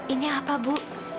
ini apa bu